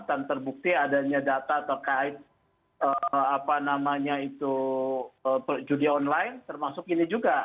dan terbukti adanya data terkait judia online termasuk ini juga